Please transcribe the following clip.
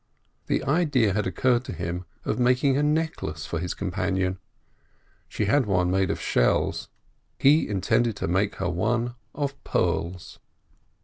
The idea had occurred to him of making a necklace for his companion. She had one made of shells, he intended to make her one of pearls.